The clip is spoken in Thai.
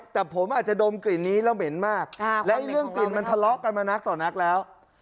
แต่ผมอาจจะดมกลิ่นนี้แล้วเหม็นมากและเรื่องกลิ่นมันทะเลาะกันมานักต่อนักแล้ว